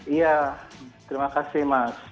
iya terima kasih mas